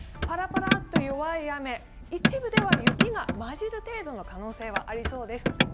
パラパラと弱い雨、一部では雪が混じる程度の可能性があります。